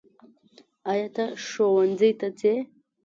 ایا ته ښؤونځي ته څې؟